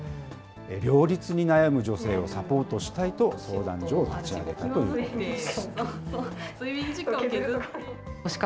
両立に悩む女性をサポートしたいと相談所を立ち上げたということです。